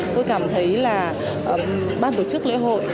tôi cảm thấy là ban tổ chức lễ hội